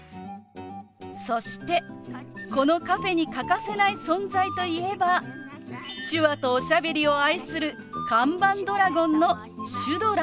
そしてこのカフェに欠かせない存在といえば手話とおしゃべりを愛する看板ドラゴンのシュドラ。